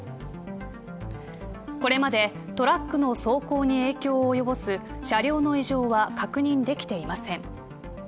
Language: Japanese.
これまで、トラックの走行に影響を及ぼす車両の異常は確認できていません。